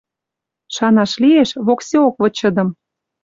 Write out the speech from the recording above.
Шанаш лиэш, воксеок вычыдым